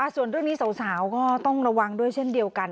ส่วนเรื่องนี้สาวก็ต้องระวังด้วยเช่นเดียวกัน